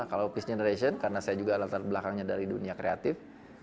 kalau peace generation karena saya juga latar belakangnya dari dunia kreatif